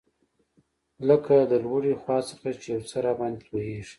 لکه له لوړې خوا څخه چي یو څه راباندي تویېږي.